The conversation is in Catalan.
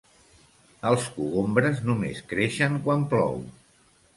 Els cogombres només creixen quan plou.